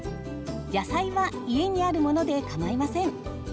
野菜は家にあるものでかまいません。